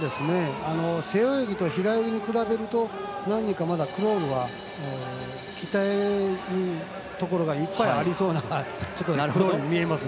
背泳ぎと平泳ぎに比べるとクロールは鍛えるところがいっぱいありそうです。